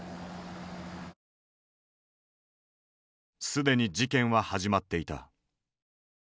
既に事件は始まっていた。